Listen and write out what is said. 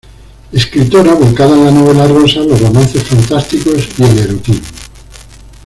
Escritora volcada en la novela rosa, los romances fantásticos y el erotismo.